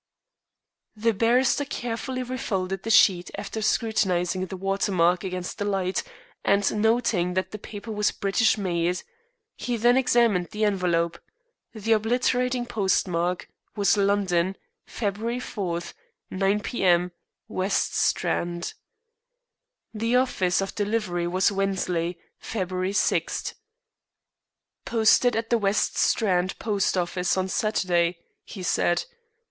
The barrister carefully refolded the sheet after scrutinizing the water mark against the light, and noting that the paper was British made; he then examined the envelope. The obliterating postmark was "London, February 4, 9 P.M., West Strand." The office of delivery was "Wensley, February 6." "Posted at the West Strand Post Office on Saturday," he said.